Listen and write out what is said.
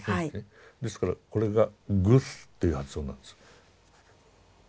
ですからこれが「グス」っていう発音なんです。